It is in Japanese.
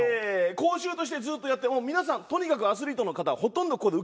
講習としてずっとやって皆さんとにかくアスリートの方ほとんどここで受けてます。